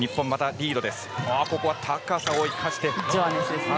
ここは高さを生かして。